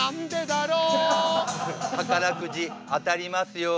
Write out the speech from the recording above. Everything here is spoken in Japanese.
宝くじ当たりますように。